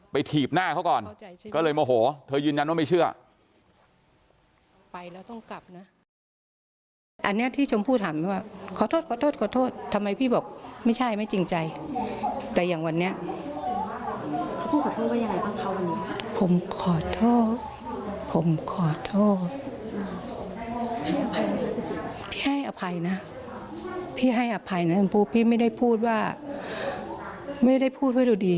ถีบหน้าเขาก่อนก็เลยโมโหเธอยืนยันว่าไม่เชื่อ